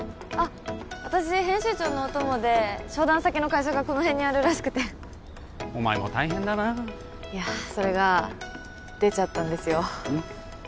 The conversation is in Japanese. あっ私編集長のお供で商談先の会社がこの辺にあるらしくてお前も大変だないやそれが出ちゃったんですようん？